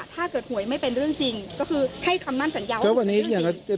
ถ้าเกิดหวยไม่เป็นเรื่องจริงก็คือให้คำนั้นสัญญาว่าไม่เป็นเรื่องจริง